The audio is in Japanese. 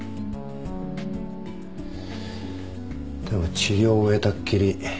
でも治療終えたっきり